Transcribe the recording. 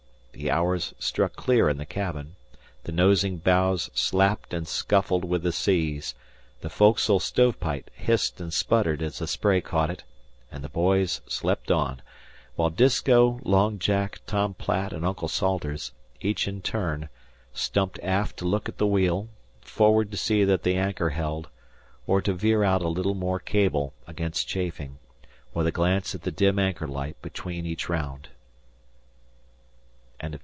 The hour struck clear in the cabin; the nosing bows slapped and scuffed with the seas; the foc'sle stove pipe hissed and sputtered as the spray caught it; and the boys slept on, while Disko, Long Jack, Tom Platt, and Uncle Salters, each in turn, stumped aft to look at the wheel, forward to see that the anchor held, or to veer out a little more cable against chafing, with a glance at the dim anchor light between each round.